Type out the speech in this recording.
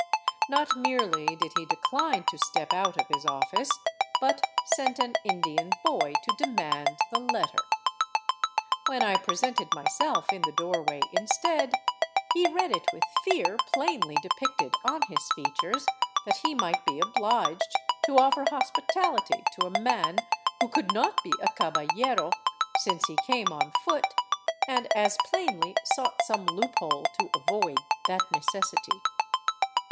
Not merely did he de cline to step out of his office, but sent an Indian boy to demand the letter. When I presented myself in the doorway instead, he read it with fear plainly depicted on his features that he might be obliged to offer hospitality to a man who could not be a caballero, since he came on foot, and as plainly sought some loophole to avoid that necessity.